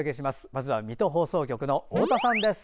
まずは水戸放送局の太田さんです。